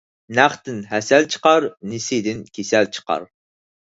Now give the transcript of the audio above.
نەقتىن ھەسەل چىقار، نېسىدىن كېسەل چىقار.